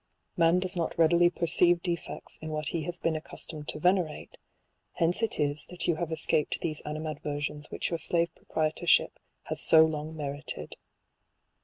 Man does not readily perceive defects in what he has been accustomed to venerate j hence it is that you have escaped those animadversions which your slave proprietorship has so long merited.